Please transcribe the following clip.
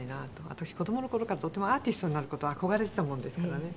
私子供の頃からとてもアーティストになる事に憧れてたものですからね。